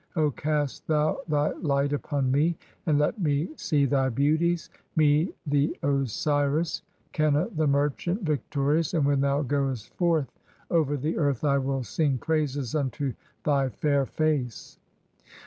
O cast "thou thy light upon me and let me see thy beauties, me the Osiris "(10) Qenna the merchant, victorious, and when thou goest forth "over the earth I will sing praises unto thy fair face.